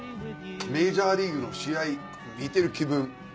メジャーリーグの試合見てる気分。